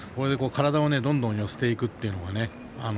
体をどんどん寄せていくという。